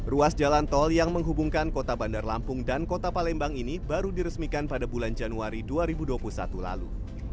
ruas jalan tol yang menghubungkan kota bandar lampung dan kota palembang ini baru diresmikan pada bulan januari dua ribu dua puluh satu lalu